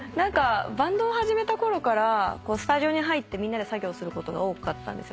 バンドを始めたころからスタジオに入ってみんなで作業することが多かったんですよ。